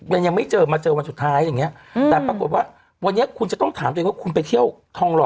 มันยังไม่เจอมาเจอวันสุดท้ายอย่างเงี้ยแต่ปรากฏว่าวันนี้คุณจะต้องถามตัวเองว่าคุณไปเที่ยวทองหล่อ